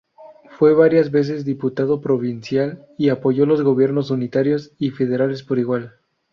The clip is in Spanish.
Fue varias veces diputado provincial, y apoyó los gobiernos unitarios y federales por igual.